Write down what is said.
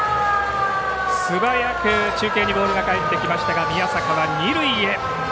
すばやく中継にボールがかえってきましたが宮坂は二塁へ。